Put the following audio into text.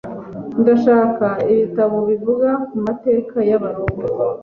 Ndashaka ibitabo bivuga ku mateka y'Abaroma.